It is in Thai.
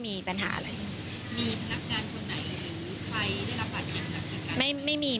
มีพนักการณ์คนไหนหรือใครได้รับฝันจริงจากเหตุการณ์